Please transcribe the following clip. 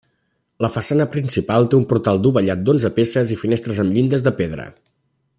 La façana principal té un portal dovellat d'onze peces i finestres amb llindes de pedra.